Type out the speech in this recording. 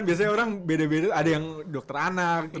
biasanya orang beda beda ada yang dokter anak